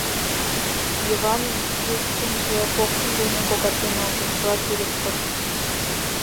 Йыванын йытынже покшым дене когарген огыл, чыла тӱрыс кодын.